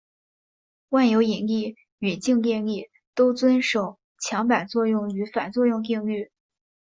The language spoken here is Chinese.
万有引力与静电力都遵守强版作用与反作用定律。